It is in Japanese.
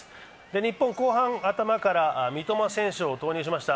日本、後半頭から三笘選手を投入しました。